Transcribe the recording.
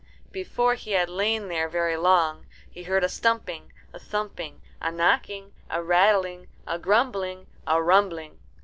Before he had lain there very long he heard a stumping, a thumping, a knocking, a rattling, a grumbling, a rumbling.